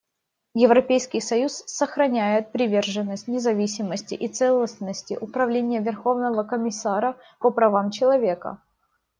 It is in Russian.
Европейский союз сохраняет приверженность независимости и целостности Управления Верховного комиссара по правам человека.